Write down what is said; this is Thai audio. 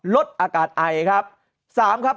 ลดอากาศไอครับ